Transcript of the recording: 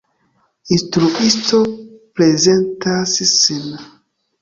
Instruisto prezentas sin.